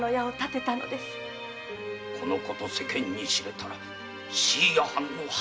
この事が世間に知れたら椎谷藩の恥。